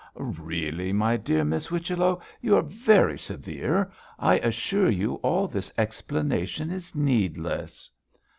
'Really, my dear Miss Whichello, you are very severe; I assure you all this explanation is needless.'